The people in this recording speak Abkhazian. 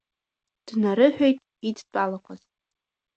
Днарыҳәеит идтәалақәаз.